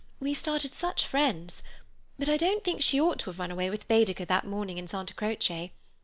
We started such friends. But I don't think she ought to have run away with Baedeker that morning in Santa Croce.